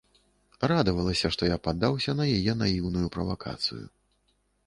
Радавалася, што я паддаўся на яе наіўную правакацыю.